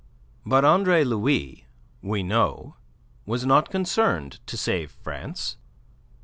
But Andre Louis, we know, was not concerned to save France.